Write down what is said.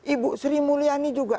ibu sri mulyani juga